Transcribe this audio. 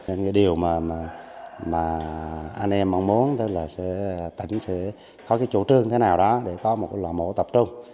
nên cái điều mà anh em mong muốn tức là tỉnh sẽ có cái chủ trương thế nào đó để có một loại mổ tập trung